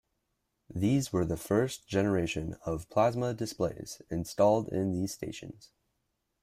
These were the first generation of plasma displays installed in these stations.